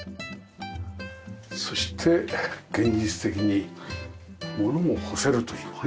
そして現実的に物も干せるというのがね。